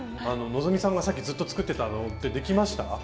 希さんがさっきずっと作ってたのってできました？